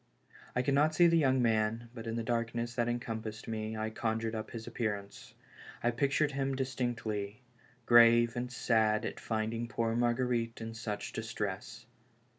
I could not see the young man, but in the darkness that encompassed me, I conjured up his appearance. I pictured him distinctly, grave and sad at finding poor Marguerite in such distress.